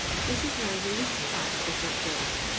This is now the least part of the subject.